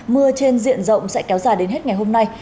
mưa trên diện rộng sẽ kéo dài đến hết ngày hôm nay